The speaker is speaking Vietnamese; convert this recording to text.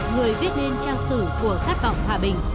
người viết nên trang sử của khát vọng hòa bình